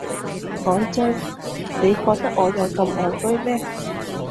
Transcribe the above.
講真，你覺得我有咁戇居咩？